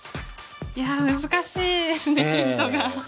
いや難しいですねヒントが。